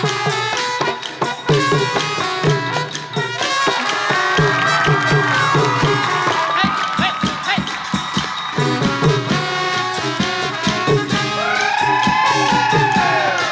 หัวโตสุพันธ์มาแล้วขอเชิญน้องแก้วมารับหัวโตตาลาลา